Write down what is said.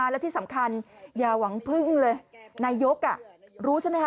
และที่สำคัญอย่าหวังพึ่งเลยนายกรู้ใช่ไหมคะ